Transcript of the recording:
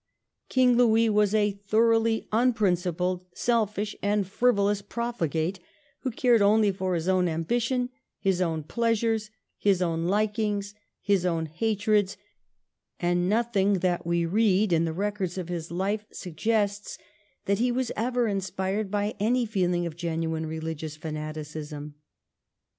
King Louis was a thoroughly unprincipled, selfish, and frivolous profligate who cared only for his own ambition, his own pleasures, his own likings, his own hatreds, and nothing that we read in the records of his life suggests that he was ever inspired by any feeling of genuine religious fanaticism.